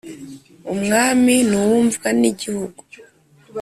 Umwami n’uwumvwa n’igihugu